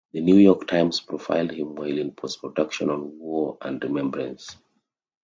"The New York Times" profiled him while in post-production on War and Remembrance.